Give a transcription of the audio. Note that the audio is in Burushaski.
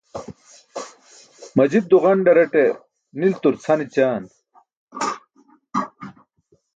Majit duġanḍaraṭe niltur cʰan ećaan.